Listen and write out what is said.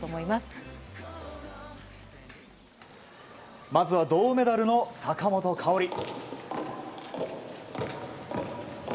まずは銅メダルの坂本花織。